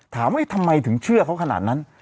ถามว่าทำไมถึงเชื่อเขาขนาดนั้น